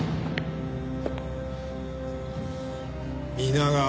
皆川。